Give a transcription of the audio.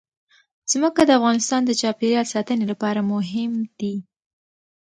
ځمکه د افغانستان د چاپیریال ساتنې لپاره مهم دي.